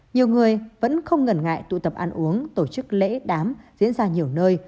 nhiều người vẫn không ngần ngại tụ tập ăn uống tổ chức lễ đám diễn ra nhiều nơi